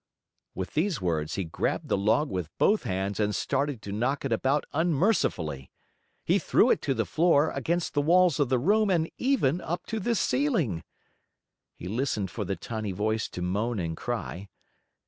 With these words, he grabbed the log with both hands and started to knock it about unmercifully. He threw it to the floor, against the walls of the room, and even up to the ceiling. He listened for the tiny voice to moan and cry.